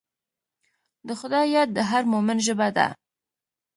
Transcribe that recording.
د خدای یاد د هر مؤمن ژبه ده.